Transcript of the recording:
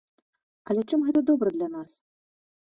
Але чым гэта добра для нас?